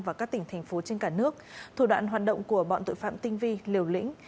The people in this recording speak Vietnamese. và các tỉnh thành phố trên cả nước thủ đoạn hoạt động của bọn tội phạm tinh vi liều lĩnh